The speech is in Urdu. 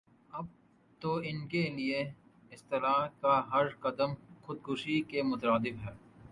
اب تو انکےلئے اسطرح کا ہر قدم خودکشی کے مترادف ہے